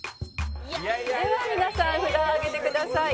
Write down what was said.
では皆さん札を上げてください」